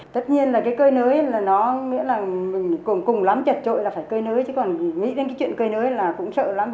tất nhiên là cái cơi nới nó nghĩa là cùng lắm chật trội là phải cơi nới chứ còn nghĩ đến cái chuyện cơi nới là cũng sợ lắm